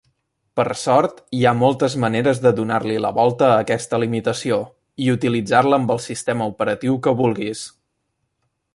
Per sort, hi ha moltes maneres de donar-li la volta a aquesta limitació i utilitzar-la amb el sistema operatiu que vulguis.